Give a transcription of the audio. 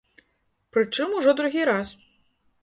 Прычым ужо другі раз.